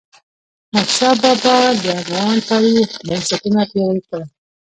احمدشاه بااب د افغان تاریخ بنسټونه پیاوړي کړل.